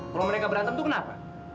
kalau mereka berantem tuh kenapa